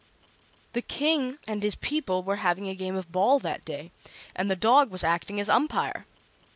The King and his people were having a game of ball that day, and the dog was acting as umpire.